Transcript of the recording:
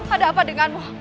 ada apa denganmu